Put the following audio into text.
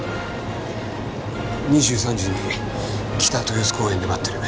２３時に北豊洲公園で待ってる。